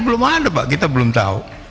belum ada pak kita belum tahu